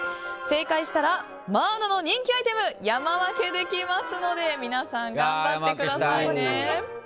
正解したらマーナの人気アイテム山分けできますので皆さん、頑張ってくださいね。